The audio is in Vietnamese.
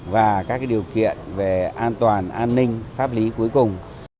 và các điều kiện về an toàn an ninh pháp lý cuối cùng